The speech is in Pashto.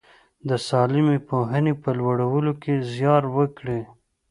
د سالمې پوهنې په لوړولو کې زیار وکړي.